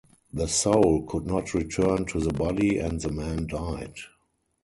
The soul could not return to the body and the man died.